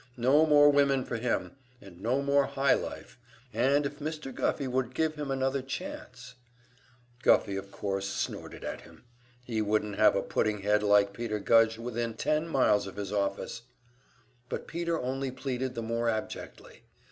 No more women for him, and no more high life, and if Mr. Guffey would give him another chance Guffey, of course, snorted at him. He wouldn't have a pudding head like Peter Gudge within ten miles of his office! But Peter only pleaded the more abjectly.